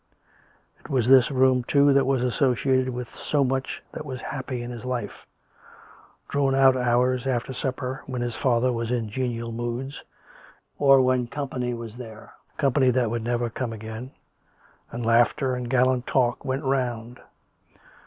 It was this room, too, that was associated with so much that was happy in his life — drawn out hours after supper, when his father was in genial moods, or when company was there — company that would never come again — and laughter and gallant talk went round.